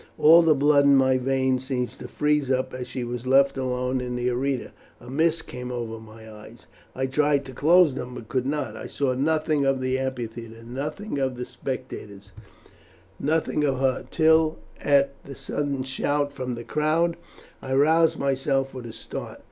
All the blood in my veins seemed to freeze up as she was left alone in the arena. A mist came over my eyes. I tried to close them, but could not. I saw nothing of the amphitheatre, nothing of the spectators, nothing but her, till, at the sudden shout from the crowd, I roused myself with a start.